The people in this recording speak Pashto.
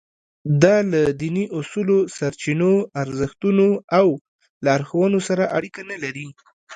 دا له دیني اصولو، سرچینو، ارزښتونو او لارښوونو سره اړیکه نه لري.